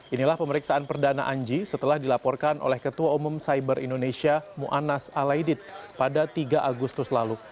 inilah pemeriksaan perdana anji setelah dilaporkan oleh ketua umum cyber indonesia ⁇ muannas ⁇ alaidit pada tiga agustus lalu